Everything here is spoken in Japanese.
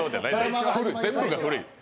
全部が古い！